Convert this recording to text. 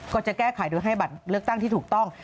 ก็จะแก้ไขโดยให้บัตรเลือกตั้งที่ถูกต้อง